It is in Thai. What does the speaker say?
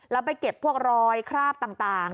แล้วไปเก็บพวกรอยคราบต่าง